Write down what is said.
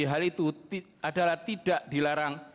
hal itu adalah tidak dilarang